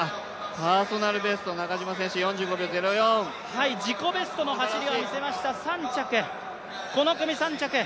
パーソナルベスト中島選手、４５秒０４自己ベストの走りは見せました、この組３着。